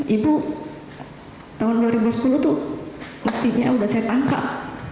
ibu tahun dua ribu sepuluh tuh mestinya udah saya tangkap